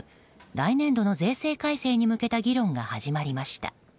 来年度の税制改正に向けた議論が始まりました。